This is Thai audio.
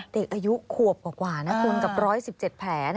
เด็กอายุขวบกว่านะคุณกับ๑๑๗แผล